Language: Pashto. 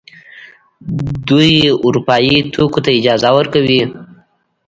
دوی اروپايي توکو ته اجازه ورکړي.